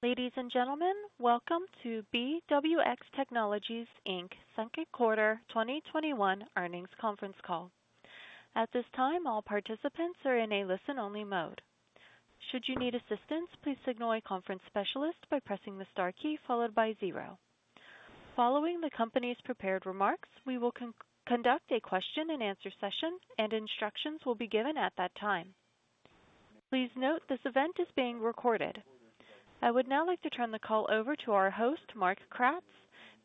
Ladies and gentlemen, welcome to BWX Technologies, Inc's second quarter 2021 earnings conference call. At this time, all participants are in a listen-only mode. Should you need assistance, please signal a conference specialist by pressing the star key followed by zero. Following the company's prepared remarks, we will conduct a question and answer session, and instructions will be given at that time. Please note this event is being recorded. I would now like to turn the call over to our host, Mark Kratz,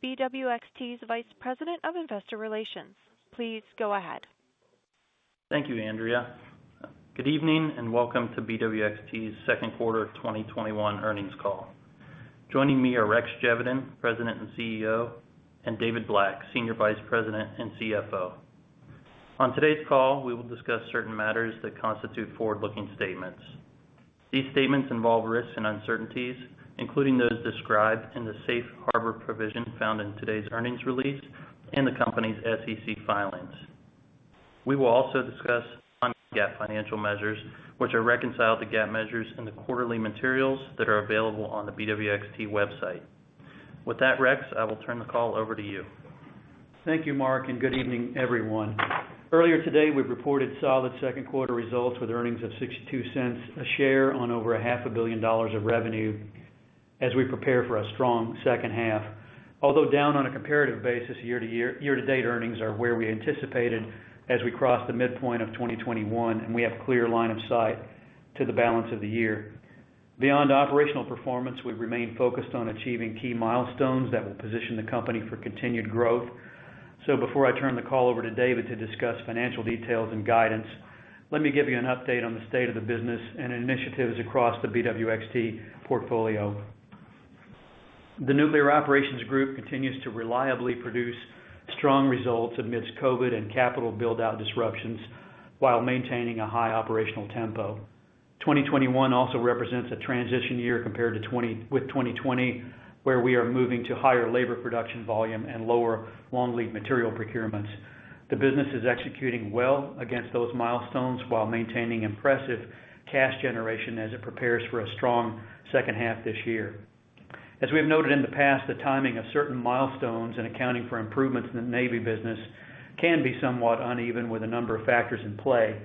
BWXT's Vice President of Investor Relations. Please go ahead. Thank you, Andrea. Good evening, and welcome to BWXT's second quarter 2021 earnings call. Joining me are Rex Geveden, President and CEO, and David Black, Senior Vice President and CFO. On today's call, we will discuss certain matters that constitute forward-looking statements. These statements involve risks and uncertainties, including those described in the safe harbor provision found in today's earnings release and the company's SEC filings. We will also discuss non-GAAP financial measures, which are reconciled to GAAP measures in the quarterly materials that are available on the BWXT website. With that, Rex, I will turn the call over to you. Thank you, Mark, and good evening, everyone. Earlier today, we reported solid second quarter results with earnings of $0.62 a share on over a half a billion dollars of revenue as we prepare for a strong second half. Although down on a comparative basis year-to-year, year-to-date earnings are where we anticipated as we cross the midpoint of 2021, and we have clear line of sight to the balance of the year. Beyond operational performance, we remain focused on achieving key milestones that will position the company for continued growth. Before I turn the call over to David to discuss financial details and guidance, let me give you an update on the state of the business and initiatives across the BWXT portfolio. The Nuclear Operations Group continues to reliably produce strong results amidst COVID and capital build-out disruptions while maintaining a high operational tempo. 2021 also represents a transition year with 2020, where we are moving to higher labor production volume and lower long lead material procurements. The business is executing well against those milestones while maintaining impressive cash generation as it prepares for a strong second half this year. As we have noted in the past, the timing of certain milestones and accounting for improvements in the U.S. Navy business can be somewhat uneven with a number of factors in play.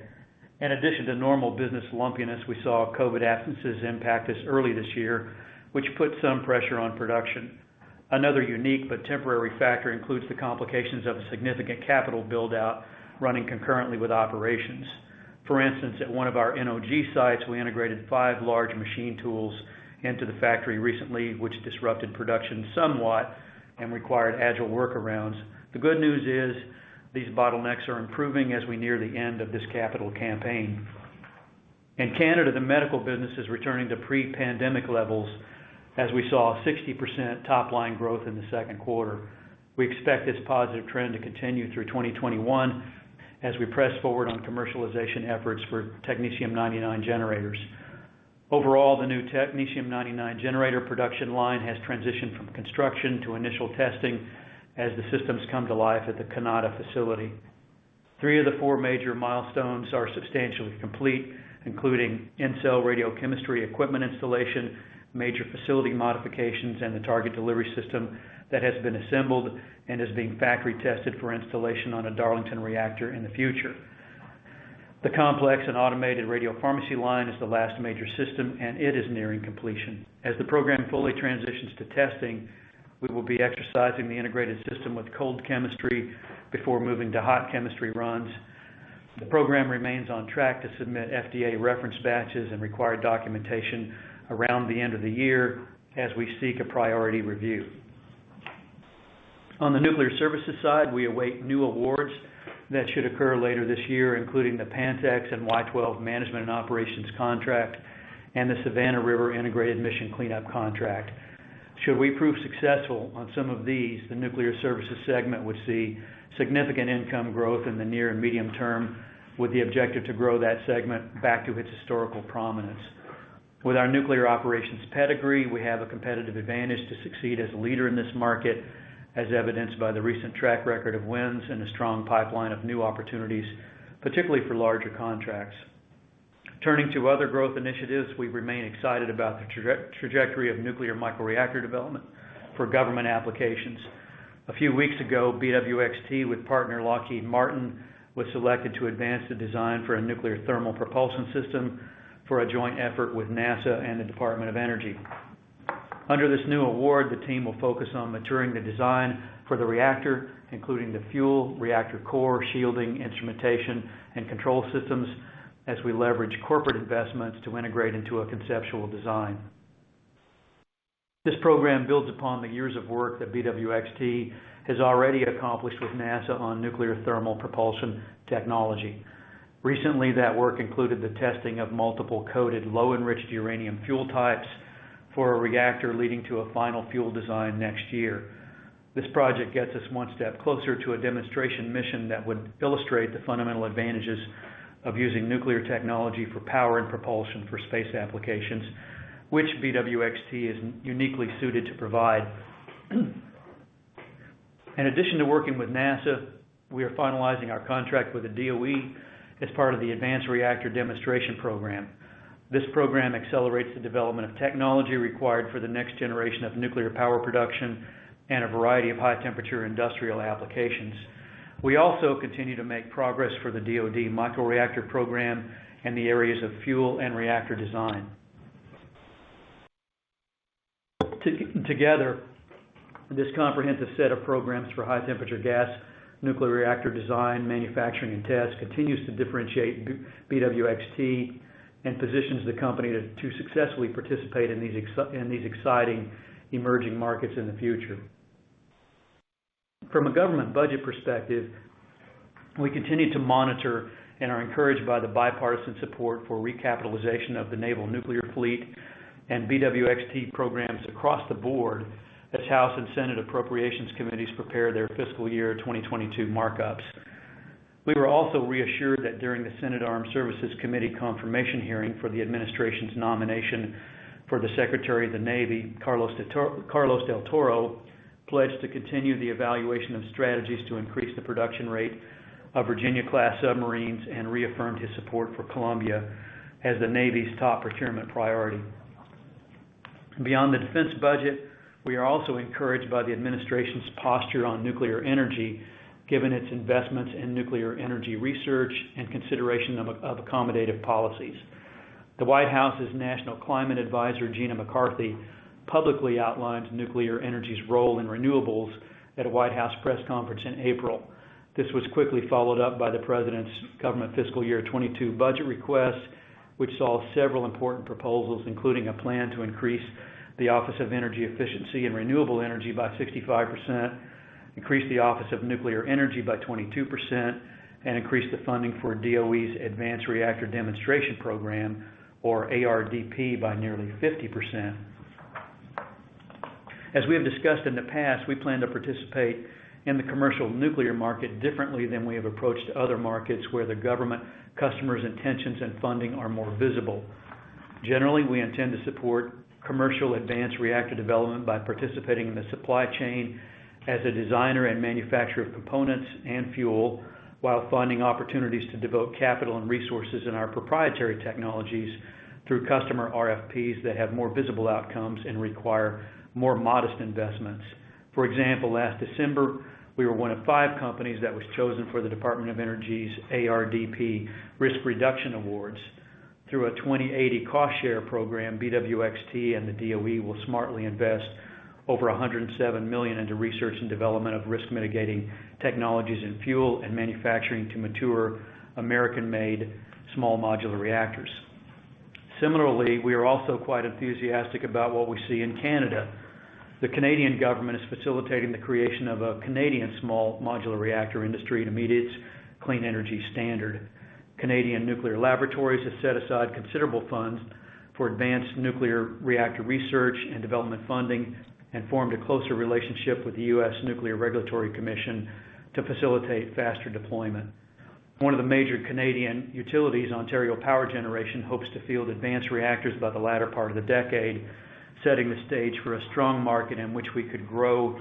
In addition to normal business lumpiness, we saw COVID absences impact us early this year, which put some pressure on production. Another unique but temporary factor includes the complications of a significant capital build-out running concurrently with operations. For instance, at one of our NOG sites, we integrated five large machine tools into the factory recently, which disrupted production somewhat and required agile workarounds. The good news is these bottlenecks are improving as we near the end of this capital campaign. In Canada, the medical business is returning to pre-pandemic levels as we saw 60% top-line growth in the second quarter. We expect this positive trend to continue through 2021 as we press forward on commercialization efforts for technetium-99 generators. Overall, the new technetium-99 generator production line has transitioned from construction to initial testing as the systems come to life at the Kanata facility. Three of the four major milestones are substantially complete, including in-cell radiochemistry equipment installation, major facility modifications, and the target delivery system that has been assembled and is being factory-tested for installation on a Darlington reactor in the future. The complex and automated radiopharmacy line is the last major system, and it is nearing completion. As the program fully transitions to testing, we will be exercising the integrated system with cold chemistry before moving to hot chemistry runs. The program remains on track to submit FDA reference batches and required documentation around the end of the year as we seek a priority review. On the nuclear services side, we await new awards that should occur later this year, including the Pantex and Y-12 management and operations contract and the Savannah River Integrated Mission Cleanup Contract. Should we prove successful on some of these, the nuclear services segment would see significant income growth in the near and medium term with the objective to grow that segment back to its historical prominence. With our nuclear operations pedigree, we have a competitive advantage to succeed as a leader in this market, as evidenced by the recent track record of wins and a strong pipeline of new opportunities, particularly for larger contracts. Turning to other growth initiatives, we remain excited about the trajectory of nuclear microreactor development for government applications. A few weeks ago, BWXT, with partner Lockheed Martin, was selected to advance the design for a nuclear thermal propulsion system for a joint effort with NASA and the Department of Energy. Under this new award, the team will focus on maturing the design for the reactor, including the fuel, reactor core, shielding, instrumentation, and control systems, as we leverage corporate investments to integrate into a conceptual design. This program builds upon the years of work that BWXT has already accomplished with NASA on nuclear thermal propulsion technology. Recently, that work included the testing of multiple coated low-enriched uranium fuel types for a reactor leading to a final fuel design next year. This project gets us one step closer to a demonstration mission that would illustrate the fundamental advantages of using nuclear technology for power and propulsion for space applications, which BWXT is uniquely suited to provide. In addition to working with NASA, we are finalizing our contract with the DOE as part of the Advanced Reactor Demonstration Program. This program accelerates the development of technology required for the next generation of nuclear power production and a variety of high-temperature industrial applications. We also continue to make progress for the DOD microreactor program in the areas of fuel and reactor design. Together, this comprehensive set of programs for high-temperature gas, nuclear reactor design, manufacturing, and tests continues to differentiate BWXT and positions the company to successfully participate in these exciting emerging markets in the future. From a government budget perspective, we continue to monitor and are encouraged by the bipartisan support for recapitalization of the naval nuclear fleet and BWXT programs across the board as House Committee on Appropriations and Senate Committee on Appropriations prepare their fiscal year 2022 markups. We were also reassured that during the Senate Committee on Armed Services confirmation hearing for the administration's nomination for the Secretary of the Navy, Carlos Del Toro pledged to continue the evaluation of strategies to increase the production rate of Virginia-class submarines and reaffirmed his support for Columbia as the Navy's top procurement priority. Beyond the defense budget, we are also encouraged by the administration's posture on nuclear energy, given its investments in nuclear energy research and consideration of accommodative policies. The White House's National Climate Advisor, Gina McCarthy, publicly outlined nuclear energy's role in renewables at a White House press conference in April. This was quickly followed up by the president's government fiscal year 2022 budget request, which saw several important proposals, including a plan to increase the Office of Energy Efficiency and Renewable Energy by 65%, increase the Office of Nuclear Energy by 22%, and increase the funding for DOE's Advanced Reactor Demonstration Program, or ARDP, by nearly 50%. As we have discussed in the past, we plan to participate in the commercial nuclear market differently than we have approached other markets where the government customer's intentions and funding are more visible. Generally, we intend to support commercial advanced reactor development by participating in the supply chain as a designer and manufacturer of components and fuel while finding opportunities to devote capital and resources in our proprietary technologies through customer RFPs that have more visible outcomes and require more modest investments. For example, last December, we were one of five companies that was chosen for the Department of Energy's ARDP Risk Reduction Awards. Through a 20/80 cost-share program, BWXT and the DOE will smartly invest over $107 million into research and development of risk-mitigating technologies and fuel and manufacturing to mature American-made small modular reactors. Similarly, we are also quite enthusiastic about what we see in Canada. The Canadian government is facilitating the creation of a Canadian small modular reactor industry to meet its clean energy standard. Canadian Nuclear Laboratories has set aside considerable funds for advanced nuclear reactor research and development funding and formed a closer relationship with the U.S. Nuclear Regulatory Commission to facilitate faster deployment. One of the major Canadian utilities, Ontario Power Generation, hopes to field advanced reactors by the latter part of the decade, setting the stage for a strong market in which we could grow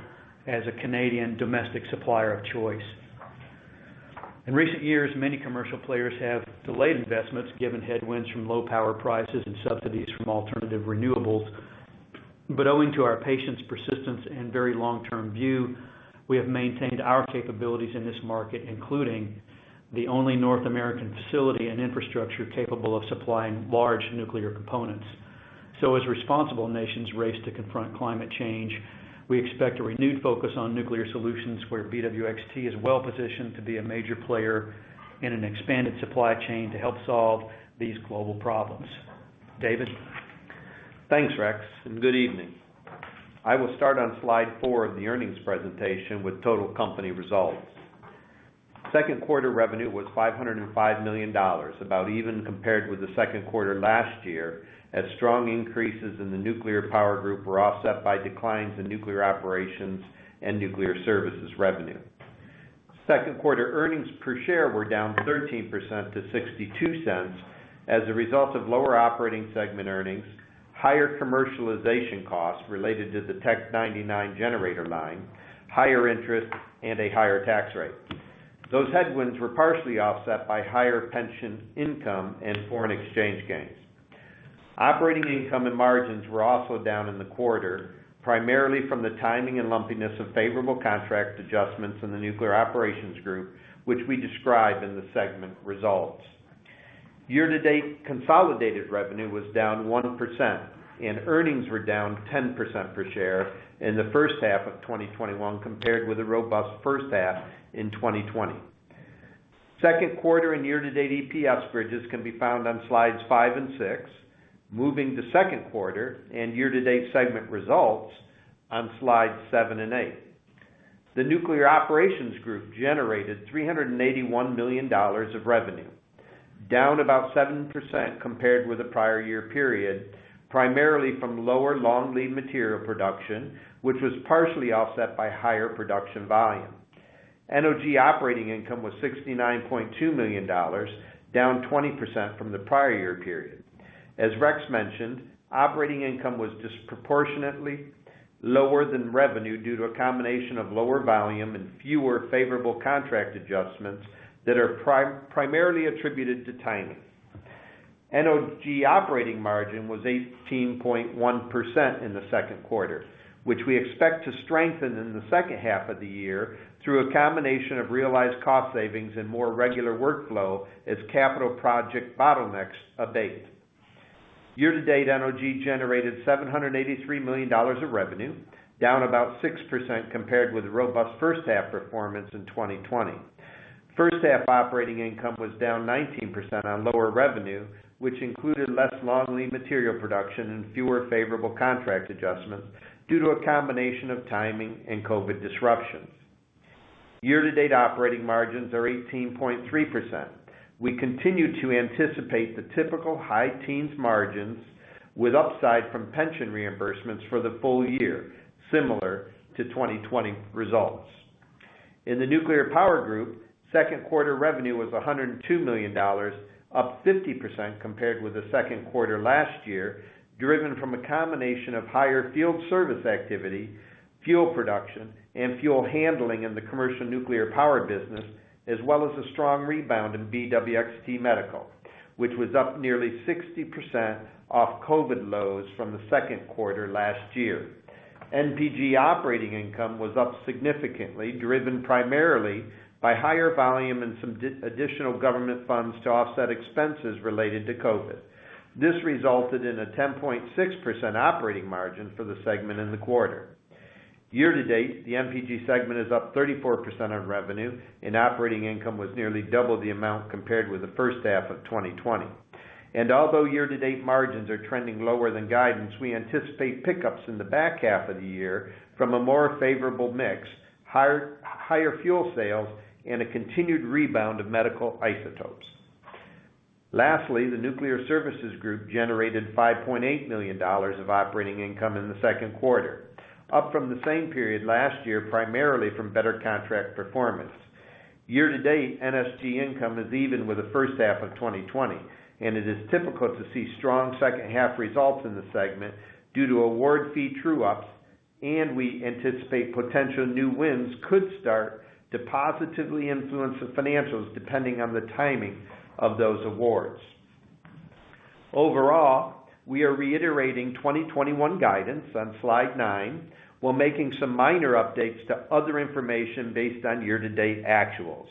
as a Canadian domestic supplier of choice. In recent years, many commercial players have delayed investments, given headwinds from low power prices and subsidies from alternative renewables. Owing to our patient persistence and very long-term view, we have maintained our capabilities in this market, including the only North American facility and infrastructure capable of supplying large nuclear components. As responsible nations race to confront climate change, we expect a renewed focus on nuclear solutions where BWXT is well-positioned to be a major player in an expanded supply chain to help solve these global problems. David? Thanks, Rex, and good evening. I will start on slide four of the earnings presentation with total company results. Second quarter revenue was $505 million, about even compared with the Second quarter last year, as strong increases in the Nuclear Power Group were offset by declines in Nuclear Operations and Nuclear Services revenue. Second quarter earnings per share were down 13% to $0.62 as a result of lower operating segment earnings, higher commercialization costs related to the Tech-99 generator line, higher interest, and a higher tax rate. Those headwinds were partially offset by higher pension income and foreign exchange gains. Operating income and margins were also down in the quarter, primarily from the timing and lumpiness of favorable contract adjustments in the Nuclear Operations Group, which we describe in the segment results. Year-to-date consolidated revenue was down 1%, and earnings were down 10% per share in the first half of 2021 compared with a robust first half in 2020. Second quarter and year-to-date EPS bridges can be found on slides five and six. Moving to second quarter and year-to-date segment results on slides seven and eight. The Nuclear Operations Group generated $381 million of revenue, down about 7% compared with the prior year period, primarily from lower long lead material production, which was partially offset by higher production volumes. NOG operating income was $69.2 million, down 20% from the prior year period. As Rex mentioned, operating income was disproportionately lower than revenue due to a combination of lower volume and fewer favorable contract adjustments that are primarily attributed to timing. NOG operating margin was 18.1% in the second quarter, which we expect to strengthen in the second half of the year through a combination of realized cost savings and more regular workflow as capital project bottlenecks abate. Year-to-date, NOG generated $783 million of revenue, down about 6% compared with robust first half performance in 2020. First half operating income was down 19% on lower revenue, which included less long-lead material production and fewer favorable contract adjustments due to a combination of timing and COVID disruptions. Year-to-date operating margins are 18.3%. We continue to anticipate the typical high teens margins with upside from pension reimbursements for the full year, similar to 2020 results. In the Nuclear Power Group, second quarter revenue was $102 million, up 50% compared with the second quarter last year, driven from a combination of higher field service activity, fuel production, and fuel handling in the commercial nuclear power business, as well as a strong rebound in BWXT Medical, which was up nearly 60% off COVID lows from the second quarter last year. NPG operating income was up significantly, driven primarily by higher volume and some additional government funds to offset expenses related to COVID. This resulted in a 10.6% operating margin for the segment in the quarter. Year-to-date, the NPG segment is up 34% on revenue and operating income was nearly double the amount compared with the first half of 2020. Although year-to-date margins are trending lower than guidance, we anticipate pickups in the back half of the year from a more favorable mix, higher fuel sales, and a continued rebound of medical isotopes. Lastly, the Nuclear Services Group generated $5.8 million of operating income in the second quarter, up from the same period last year, primarily from better contract performance. Year-to-date, NSG income is even with the first half of 2020, and it is typical to see strong second half results in the segment due to award fee true-ups, and we anticipate potential new wins could start to positively influence the financials depending on the timing of those awards. Overall, we are reiterating 2021 guidance on slide nine while making some minor updates to other information based on year-to-date actuals.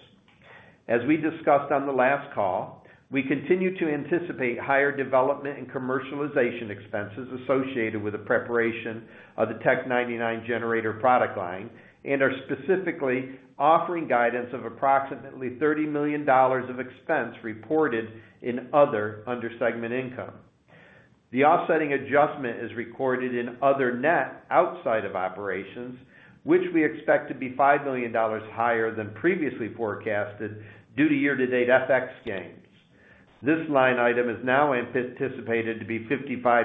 As we discussed on the last call, we continue to anticipate higher development and commercialization expenses associated with the preparation of the Tech-99 generator product line and are specifically offering guidance of approximately $30 million of expense reported in other under segment income. The offsetting adjustment is recorded in other net outside of operations, which we expect to be $5 million higher than previously forecasted due to year-to-date FX gains. This line item is now anticipated to be $55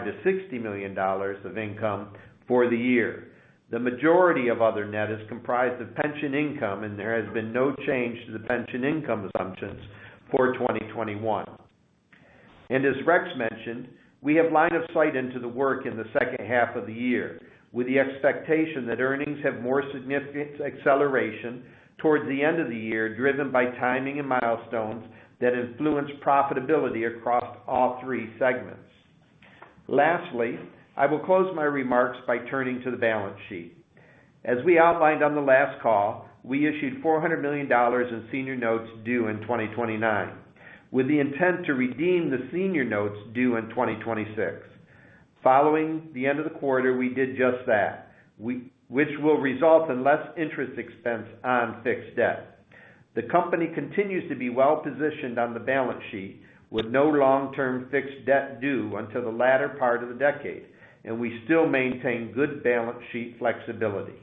million-$60 million of income for the year. The majority of other net is comprised of pension income, and there has been no change to the pension income assumptions for 2021. As Rex mentioned, we have line of sight into the work in the second half of the year, with the expectation that earnings have more significant acceleration towards the end of the year, driven by timing and milestones that influence profitability across all three segments. Lastly, I will close my remarks by turning to the balance sheet. As we outlined on the last call, we issued $400 million in senior notes due in 2029, with the intent to redeem the senior notes due in 2026. Following the end of the quarter, we did just that, which will result in less interest expense on fixed debt. The company continues to be well-positioned on the balance sheet, with no long-term fixed debt due until the latter part of the decade, and we still maintain good balance sheet flexibility.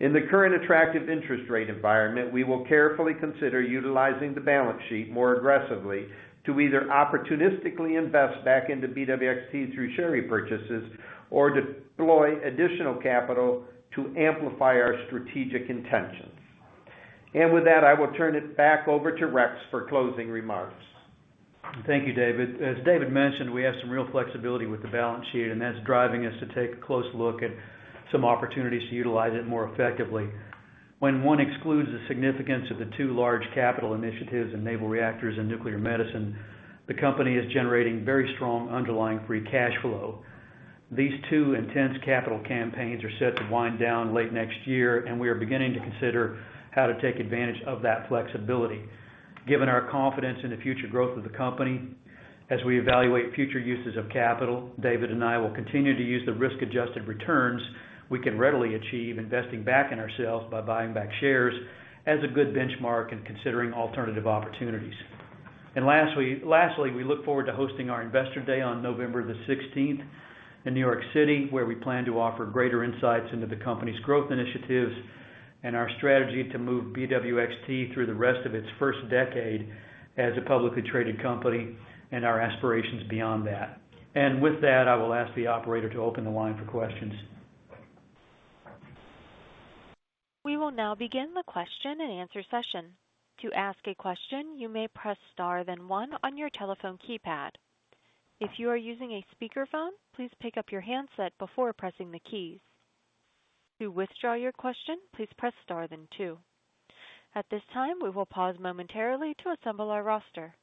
In the current attractive interest rate environment, we will carefully consider utilizing the balance sheet more aggressively to either opportunistically invest back into BWXT through share repurchases or deploy additional capital to amplify our strategic intentions. With that, I will turn it back over to Rex for closing remarks. Thank you, David. As David mentioned, we have some real flexibility with the balance sheet, and that's driving us to take a close look at some opportunities to utilize it more effectively. When one excludes the significance of the two large capital initiatives in naval reactors and nuclear medicine, the company is generating very strong underlying free cash flow. These two intense capital campaigns are set to wind down late next year, and we are beginning to consider how to take advantage of that flexibility. Given our confidence in the future growth of the company, as we evaluate future uses of capital, David and I will continue to use the risk-adjusted returns we can readily achieve investing back in ourselves by buying back shares as a good benchmark and considering alternative opportunities. Lastly, we look forward to hosting our Investor Day on November the 16th in New York City, where we plan to offer greater insights into the company's growth initiatives and our strategy to move BWXT through the rest of its first decade as a publicly traded company and our aspirations beyond that. With that, I will ask the operator to open the line for questions. We will now begin the question and answer session. To ask a question, you may press star then one on your telephone keypad. If you are using a speaker phone, please pick up your handset before pressing the key. To withdraw your question, press star then two. At this time, we will pause momentarily to assemble our roster.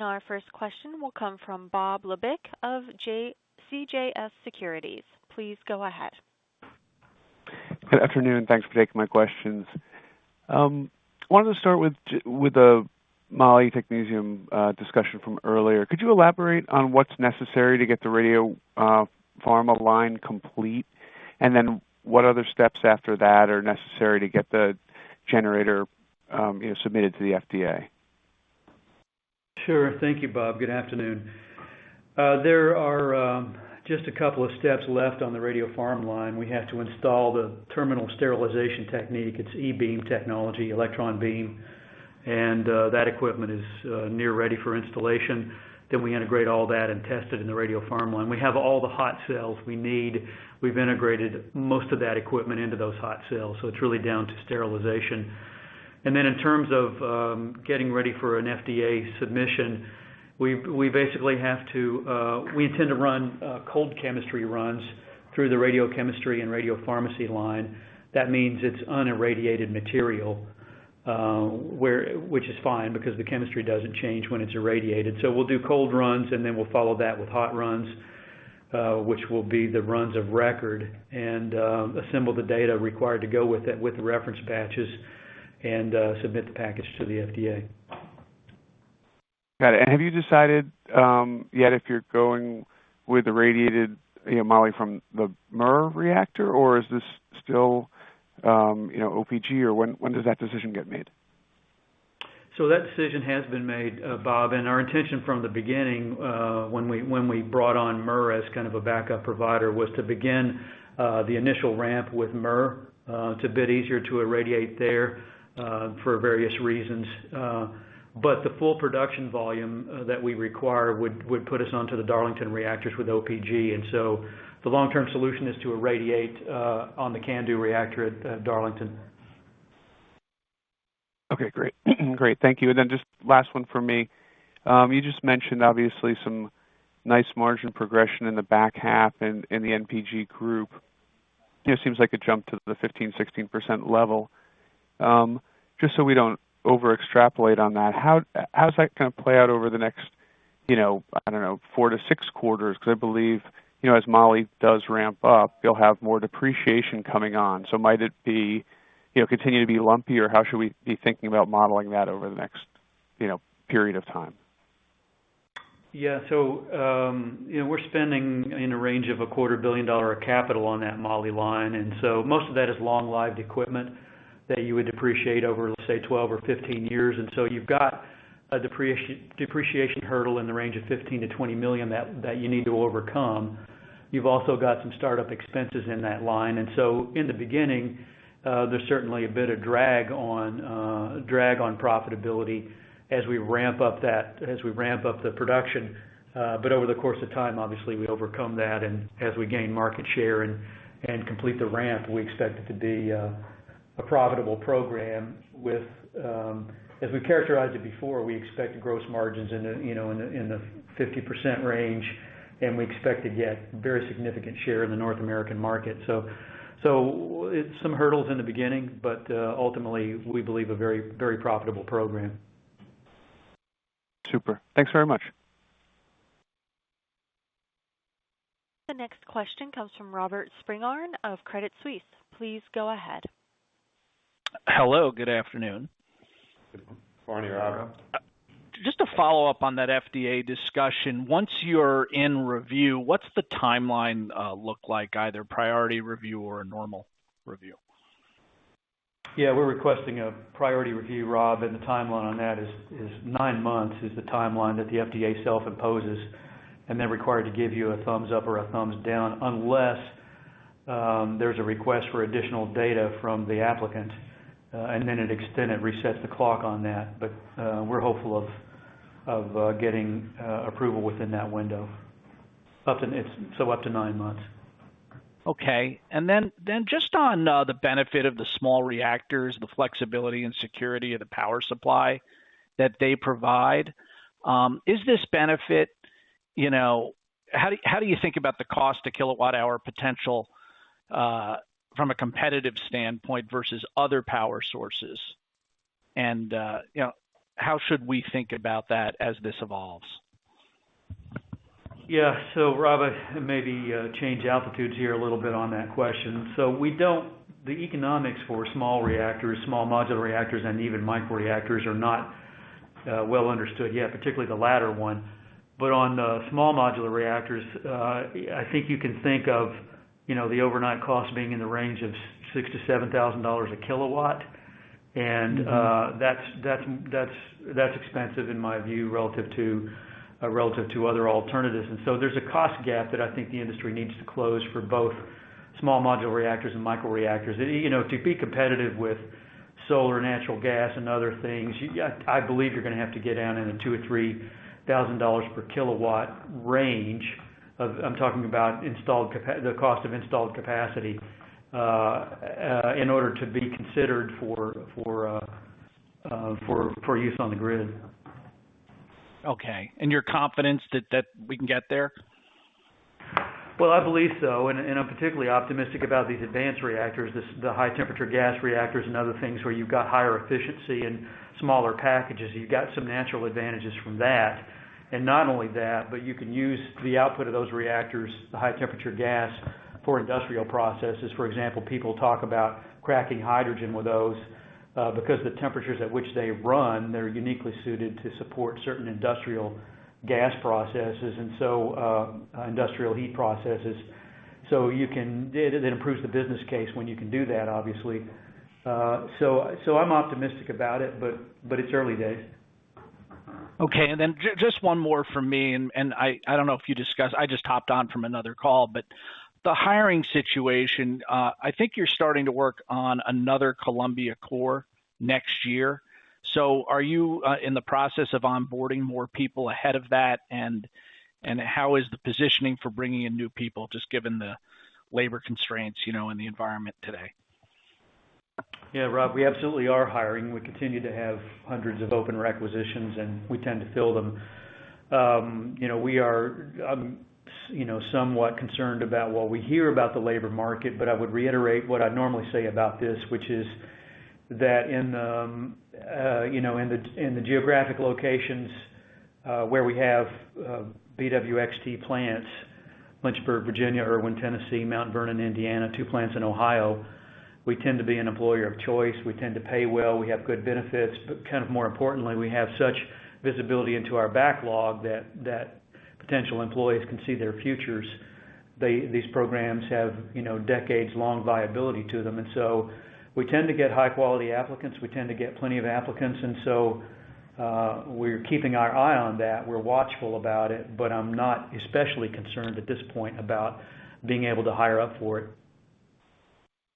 Our first question will come from Bob Labick of CJS Securities. Please go ahead. Good afternoon. Thanks for taking my questions. Wanted to start with the moly-technetium discussion from earlier. Could you elaborate on what's necessary to get the radiopharma line complete? What other steps after that are necessary to get the generator submitted to the FDA? Sure. Thank you, Bob. Good afternoon. There are just a couple of steps left on the radiopharm line. We have to install the terminal sterilization technique. It's E-beam technology, electron beam, and that equipment is near ready for installation. We integrate all that and test it in the radiopharm line. We have all the hot cells we need. We've integrated most of that equipment into those hot cells, it's really down to sterilization. In terms of getting ready for an FDA submission, we intend to run cold chemistry runs through the radiochemistry and radiopharmacy line. That means it's unirradiated material, which is fine because the chemistry doesn't change when it's irradiated. We'll do cold runs, and then we'll follow that with hot runs, which will be the runs of record, and assemble the data required to go with the reference batches and submit the package to the FDA. Got it. Have you decided yet if you're going with the radiated moly from the MURR reactor or is this still OPG? When does that decision get made? That decision has been made, Bob, and our intention from the beginning, when we brought on MURR as kind of a backup provider, was to begin the initial ramp with MURR. It's a bit easier to irradiate there for various reasons. The full production volume that we require would put us onto the Darlington reactors with OPG. The long-term solution is to irradiate on the CANDU reactor at Darlington. Okay, great. Thank you. Just last one from me. You just mentioned obviously some nice margin progression in the back half in the NPG group. Seems like a jump to the 15%-16% level. Just so we don't over extrapolate on that, how does that kind of play out over the next, I don't know, four to six quarters? I believe, as moly does ramp up, you'll have more depreciation coming on. Might it continue to be lumpy or how should we be thinking about modeling that over the next period of time? Yeah. We're spending in a range of a $250,000,000 of capital on that moly line, most of that is long-lived equipment that you would depreciate over, let's say, 12 or 15 years. You've got a depreciation hurdle in the range of $15 million-$20 million that you need to overcome. You've also got some startup expenses in that line. In the beginning, there's certainly a bit of drag on profitability as we ramp up the production. Over the course of time, obviously, we overcome that, and as we gain market share and complete the ramp, we expect it to be a profitable program. As we characterized it before, we expect gross margins in the 50% range, and we expect to get very significant share in the North American market. Some hurdles in the beginning, but ultimately, we believe a very profitable program. Super. Thanks very much. The next question comes from Robert Spingarn of Credit Suisse. Please go ahead. Hello, good afternoon. Good morning, Rob. Just to follow up on that FDA discussion. Once you're in review, what's the timeline look like, either priority review or a normal review? Yeah, we're requesting a priority review, Rob. The timeline on that is nine months, is the timeline that the FDA self-imposes and they're required to give you a thumbs up or a thumbs down unless there's a request for additional data from the applicant. It extend and resets the clock on that. We're hopeful of getting approval within that window. Up to nine months. Okay. Just on the benefit of the small reactors, the flexibility and security of the power supply that they provide. How do you think about the cost a kilowatt-hour potential from a competitive standpoint versus other power sources? How should we think about that as this evolves? Yeah. Rob, maybe change altitudes here a little bit on that question. The economics for small reactors, small modular reactors, and even microreactors are not well understood yet, particularly the latter one. On the small modular reactors, I think you can think of the overnight cost being in the range of $6,000-$7,000 a kilowatt. That's expensive in my view, relative to other alternatives. There's a cost gap that I think the industry needs to close for both small modular reactors and microreactors. To be competitive with solar, natural gas, and other things, I believe you're going to have to get down in the $2,000-$3,000 per kilowatt range, I'm talking about the cost of installed capacity, in order to be considered for use on the grid. Okay. You're confident that we can get there? Well, I believe so, I'm particularly optimistic about these advanced reactors, the high temperature gas reactors and other things where you've got higher efficiency and smaller packages. You've got some natural advantages from that. Not only that, but you can use the output of those reactors, the high temperature gas, for industrial processes. For example, people talk about cracking hydrogen with those, because the temperatures at which they run, they're uniquely suited to support certain industrial gas processes, industrial heat processes. It improves the business case when you can do that, obviously. I'm optimistic about it, but it's early days. Okay, just one more from me, and I don't know if you discussed, I just hopped on from another call, but the hiring situation, I think you're starting to work on another Columbia-class core next year. Are you in the process of onboarding more people ahead of that, and how is the positioning for bringing in new people, just given the labor constraints in the environment today? Yeah, Rob, we absolutely are hiring. We continue to have hundreds of open requisitions, and we tend to fill them. We are somewhat concerned about what we hear about the labor market, but I would reiterate what I normally say about this, which is that in the geographic locations where we have BWXT plants, Lynchburg, Virginia, Erwin, Tennessee, Mount Vernon, Indiana, two plants in Ohio, we tend to be an employer of choice. We tend to pay well. We have good benefits, but kind of more importantly, we have such visibility into our backlog that potential employees can see their futures. These programs have decades long viability to them. We tend to get high quality applicants. We tend to get plenty of applicants, and so we're keeping our eye on that. We're watchful about it, but I'm not especially concerned at this point about being able to hire up for it.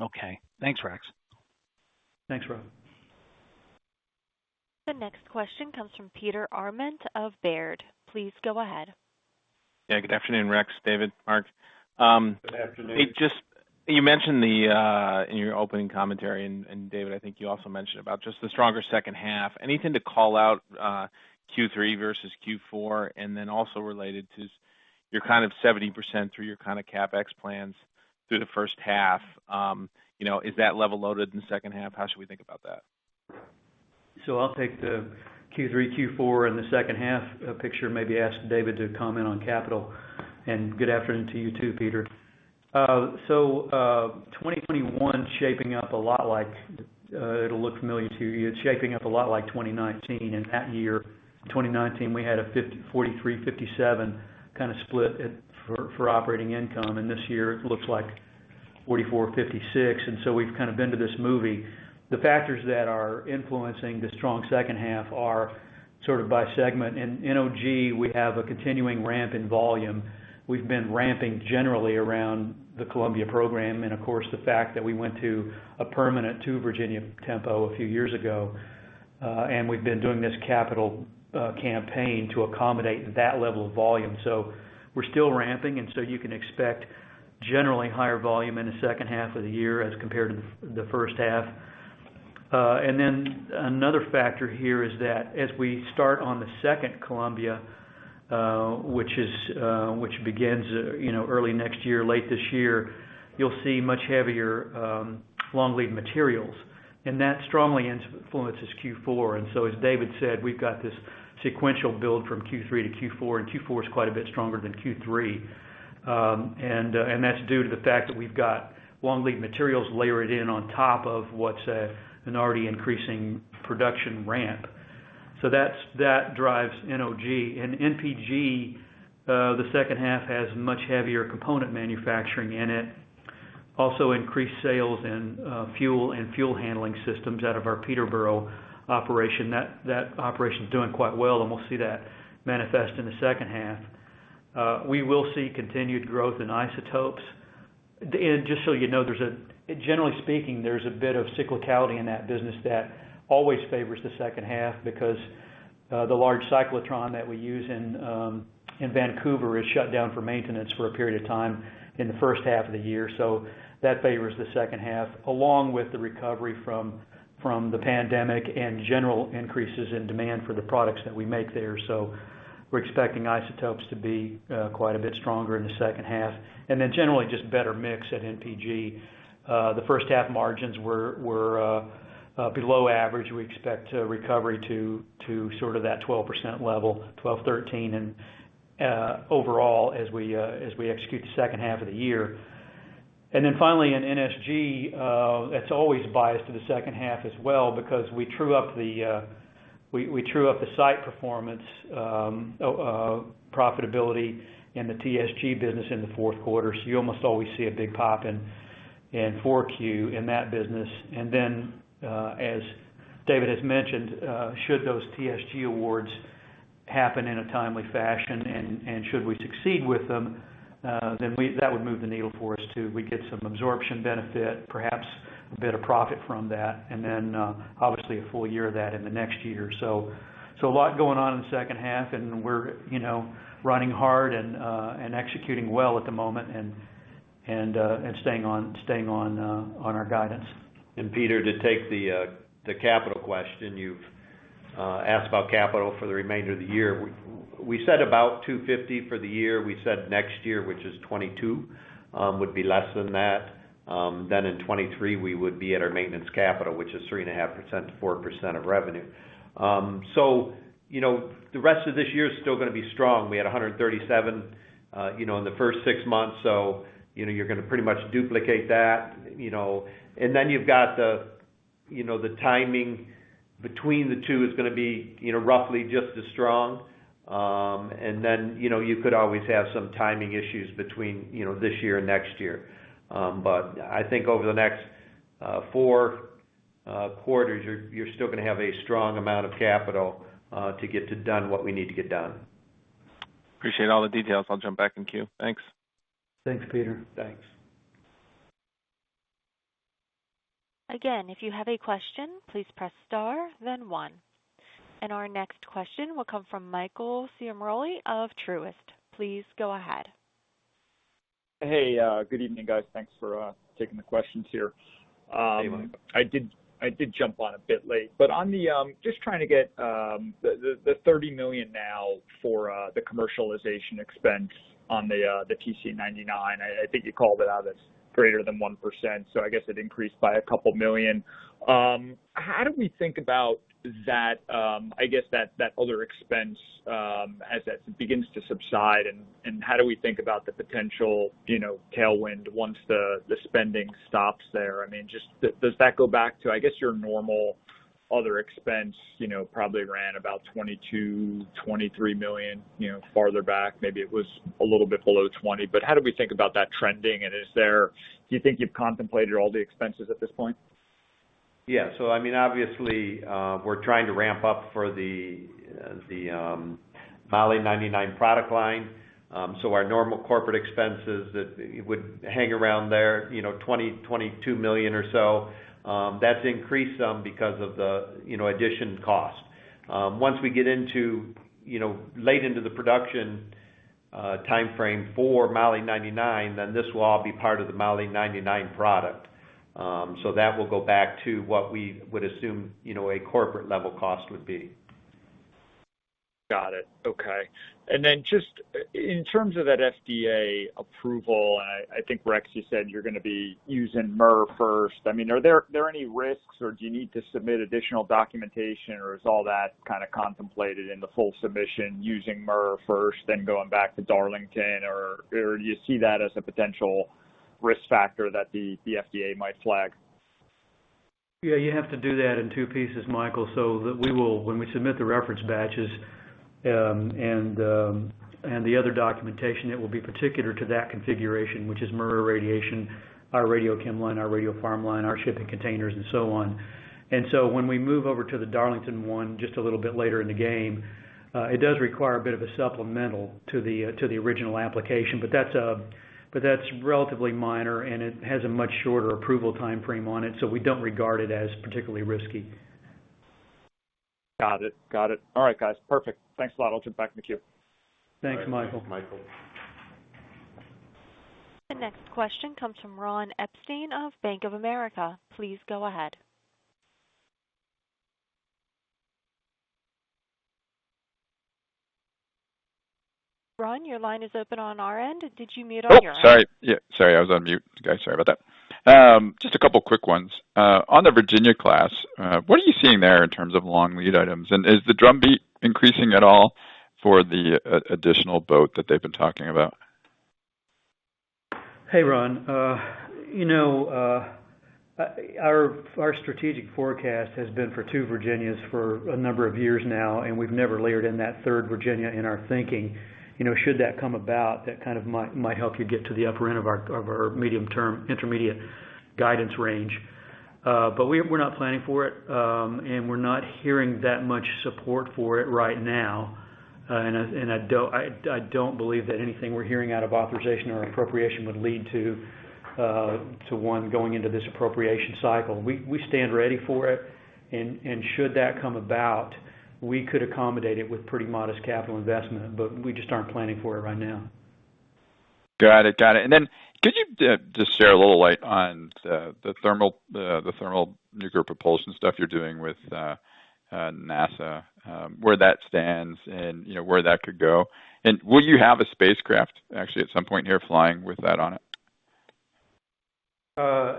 Okay. Thanks, Rex. Thanks, Rob. The next question comes from Peter Arment of Baird. Please go ahead. Yeah. Good afternoon, Rex, David, Mark. Good afternoon. You mentioned in your opening commentary, David, I think you also mentioned about just the stronger second half. Anything to call out Q3 versus Q4? Also related to your kind of 70% through your kind of CapEx plans through the first half. Is that level loaded in the second half? How should we think about that? I'll take the Q3, Q4, and the second half picture, maybe ask David to comment on capital. Good afternoon to you too, Peter. 2021, it'll look familiar to you. It's shaping up a lot like 2019, and that year, 2019, we had a 43/57 kind of split for operating income. This year it looks like 44/56, and so we've kind of been to this movie. The factors that are influencing the strong second half are sort of by segment. In NOG, we have a continuing ramp in volume. We've been ramping generally around the Columbia program, and of course, the fact that we went to a permanent 2 Virginia tempo a few years ago. We've been doing this capital campaign to accommodate that level of volume. We're still ramping, you can expect generally higher volume in the second half of the year as compared to the first half. Another factor here is that as we start on the second Columbia, which begins early next year, late this year, you'll see much heavier long lead materials, and that strongly influences Q4. As David said, we've got this sequential build from Q3 to Q4, and Q4 is quite a bit stronger than Q3. That's due to the fact that we've got long lead materials layered in on top of what's an already increasing production ramp. That drives NOG. NPG, the second half has much heavier component manufacturing in it, also increased sales in fuel and fuel handling systems out of our Peterborough operation. That operation's doing quite well, and we'll see that manifest in the second half. We will see continued growth in isotopes. Just so you know, generally speaking, there is a bit of cyclicality in that business that always favors the second half because the large cyclotron that we use in Vancouver is shut down for maintenance for a period of time in the first half of the year. That favors the second half, along with the recovery from the pandemic and general increases in demand for the products that we make there. We are expecting isotopes to be quite a bit stronger in the second half. Generally just better mix at NPG. The first half margins were below average. We expect a recovery to sort of that 12% level, 12%, 13% overall as we execute the second half of the year. Finally in NSG, that's always biased to the second half as well because we true up the site performance profitability in the TSG business in the fourth quarter. You almost always see a big pop in 4Q in that business. As David has mentioned, should those TSG awards happen in a timely fashion, and should we succeed with them, that would move the needle for us too. We'd get some absorption benefit, perhaps a bit of profit from that. Obviously, a full year of that in the next year. A lot going on in the second half, and we're running hard and executing well at the moment, and staying on our guidance. Peter, to take the capital question. You've asked about capital for the remainder of the year. We said about $250 for the year. We said next year, which is 2022, would be less than that. In 2023, we would be at our maintenance capital, which is 3.5%-4% of revenue. The rest of this year is still going to be strong. We had $137, in the first six months, so you're going to pretty much duplicate that. You've got the timing between the two is going to be roughly just as strong. You could always have some timing issues between this year and next year. I think over the next four quarters, you're still going to have a strong amount of capital to get done what we need to get done. Appreciate all the details. I'll jump back in queue. Thanks. Thanks, Peter. Thanks. Again, if you have a question, please press star then one. Our next question will come from Michael Ciarmoli of Truist. Please go ahead. Hey, good evening, guys. Thanks for taking the questions here. Hey, Michael. I did jump on a bit late. Just trying to get the $30 million now for the commercialization expense on the Tc-99. I think you called it out as greater than 1%, so I guess it increased by $2 million. How do we think about that other expense as that begins to subside, and how do we think about the potential tailwind once the spending stops there? Does that go back to, I guess your normal other expense probably ran about $22 million-$23 million farther back, maybe it was a little bit below $20 million, but how do we think about that trending, and do you think you've contemplated all the expenses at this point? Yeah. Obviously, we're trying to ramp up for the moly-99 product line. Our normal corporate expenses would hang around there, $20 million, $22 million or so. That's increased some because of the addition cost. Once we get into late into the production timeframe for moly-99, then this will all be part of the Moly-99 product. That will go back to what we would assume a corporate level cost would be. Got it. Okay. Just in terms of that FDA approval, and I think Rex, you said you're going to be using MURR first. Are there any risks, or do you need to submit additional documentation, or is all that kind of contemplated in the full submission using MURR first, then going back to Darlington, or do you see that as a potential risk factor that the FDA might flag? Yeah, you have to do that in two pieces, Michael, so that when we submit the reference batches, and the other documentation, it will be particular to that configuration, which is MURR radiation, our radiochem line, our radiopharm line, our shipping containers, and so on. When we move over to the Darlington one just a little bit later in the game, it does require a bit of a supplemental to the original application. That's relatively minor, and it has a much shorter approval timeframe on it, so we don't regard it as particularly risky. Got it. All right, guys. Perfect. Thanks a lot. I'll jump back in the queue. Thanks, Michael. All right, Michael. The next question comes from Ron Epstein of Bank of America. Please go ahead. Ron, your line is open on our end. Did you mute on your end? Oh, sorry. Yeah, sorry, I was on mute. Guys, sorry about that. Just a couple of quick ones. On the Virginia-class, what are you seeing there in terms of long lead items? Is the drumbeat increasing at all for the additional boat that they've been talking about? Hey, Ron. Our strategic forecast has been for two Virginias for a number of years now, and we've never layered in that third Virginia in our thinking. Should that come about, that kind of might help you get to the upper end of our medium term, intermediate guidance range. We're not planning for it, and we're not hearing that much support for it right now. I don't believe that anything we're hearing out of authorization or appropriation would lead to one going into this appropriation cycle. We stand ready for it, and should that come about, we could accommodate it with pretty modest capital investment, but we just aren't planning for it right now. Got it. Could you just share a little light on the nuclear thermal propulsion stuff you're doing with NASA, where that stands and where that could go? Will you have a spacecraft actually at some point here flying with that on it?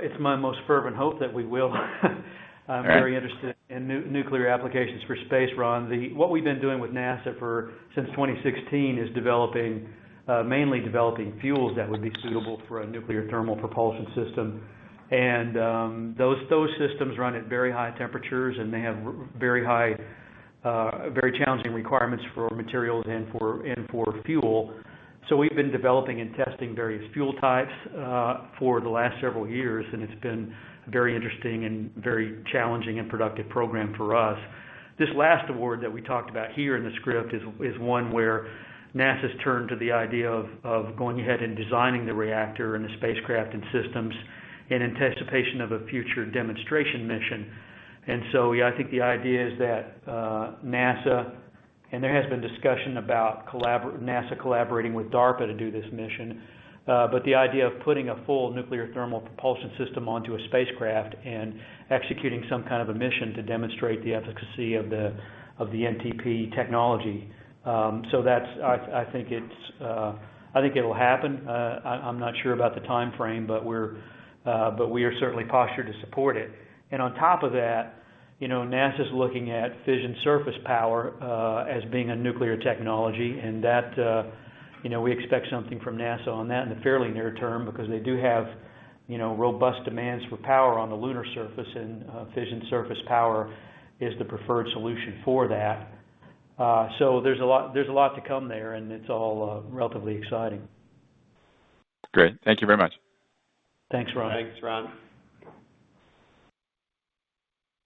It's my most fervent hope that we will. I'm very interested in nuclear applications for space, Ron. What we've been doing with NASA since 2016 is mainly developing fuels that would be suitable for a nuclear thermal propulsion system. Those systems run at very high temperatures, and they have very challenging requirements for materials and for fuel. We've been developing and testing various fuel types for the last several years, and it's been very interesting and very challenging and productive program for us. This last award that we talked about here in the script is one where NASA's turned to the idea of going ahead and designing the reactor and the spacecraft and systems in anticipation of a future demonstration mission. I think the idea is that NASA, and there has been discussion about NASA collaborating with DARPA to do this mission, but the idea of putting a full nuclear thermal propulsion system onto a spacecraft and executing some kind of a mission to demonstrate the efficacy of the NTP technology. I think it'll happen. I'm not sure about the timeframe, but we are certainly postured to support it. On top of that, NASA's looking at Fission Surface Power, as being a nuclear technology. That, we expect something from NASA on that in the fairly near term because they do have robust demands for power on the lunar surface, and Fission Surface Power is the preferred solution for that. There's a lot to come there, and it's all relatively exciting. Great. Thank you very much. Thanks, Ron. Thanks, Ron.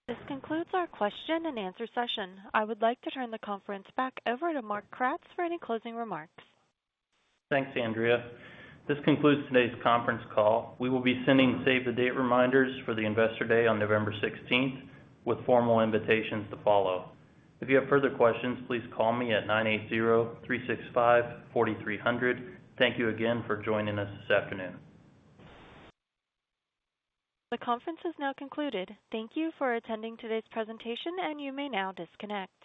This concludes our question and answer session. I would like to turn the conference back over to Mark Kratz for any closing remarks. Thanks, Andrea. This concludes today's conference call. We will be sending save the date reminders for the Investor Day on November 16th, with formal invitations to follow. If you have further questions, please call me at 980-365-4300. Thank you again for joining us this afternoon. The conference has now concluded. Thank you for attending today's presentation, and you may now disconnect.